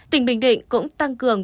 tỉnh bình định cũng tăng cường